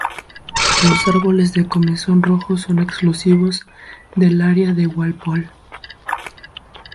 Los árboles de comezón rojo son exclusivos del área de Walpole.